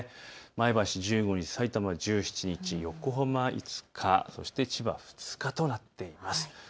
前橋１５日、さいたま１４日、横浜５日、そして千葉は２日となっています。